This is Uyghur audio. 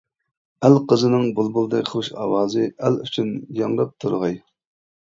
ئەل قىزىنىڭ بۇلبۇلدەك خۇش ئاۋازى ئەل ئۈچۈن ياڭراپ تۇرغاي.